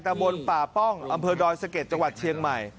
ตะบนป่าป้องอำเภอดอยสะเก็ดจังหวัดเชียงใหม่